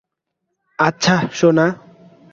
আচ্ছা, সোনা।